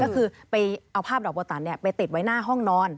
ก็คือไปเอาภาพดอกโบตันไปติดไว้หน้าห้องนอน